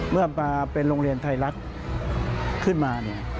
เมื่อมาเป็นโรงเรียนไทยรัฐขึ้นมา